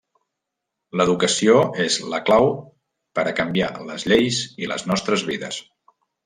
L'educació és la clau per a canviar les lleis i les nostres vides.